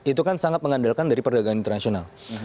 itu kan sangat mengandalkan dari perdagangan internasional